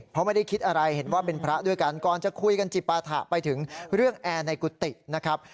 เพราะไม่ได้คิดอะไรเห็นว่าเป็นพระด้วยกันก่อนจะคุยกันจิปาถะไปถึงเรื่องแอร์ในกุฏินะครับ